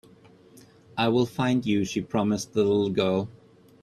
"I will find you.", she promised the little girl.